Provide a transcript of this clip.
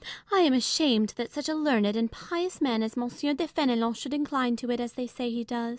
I ain ashamed that such a learned and pious man as M. de Fen^lon should incline to it, as they say he does.